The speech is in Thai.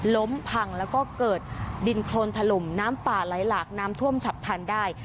ล้มพังแล้วก็เกิดดินโครนถล่มน้ำป่าไหลหลากน้ำท่วมฉับพันธุ์ได้